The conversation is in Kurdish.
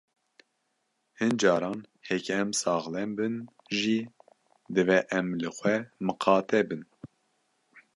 Hin caran heke em saxlem bin jî divê em li xwe miqate bin.